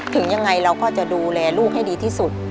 ถึงยังไงเราก็จะดูแลลูกให้ดีที่สุด